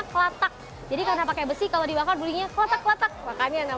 klatak jadi karena pakai besi kalau dibakar bulunya klatak klatak makanya namanya sate klatak